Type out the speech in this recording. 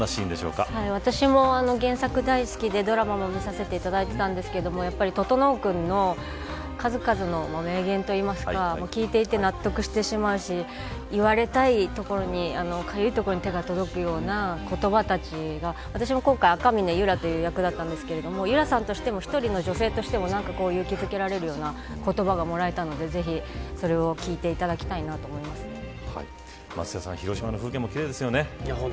私も原作大好きで、ドラマも見させていただいていたんですけど整君の数々の名言といいますか聞いていて納得してしまうし至るところに痒いところに手の届くような言葉たちが私は今回、赤峰ゆらという役だったんですが１人の女性としても勇気付けられるような言葉がもらえたのでぜひ広島の風景も奇麗ですよね。